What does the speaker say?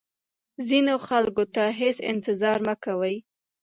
ځینو خلکو ته هیڅ انتظار مه کوئ.